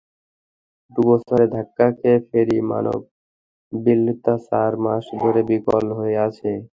ডুবোচরে ধাক্কা খেয়ে ফেরি মাধবীলতা চার মাস ধরে বিকল হয়ে আছে।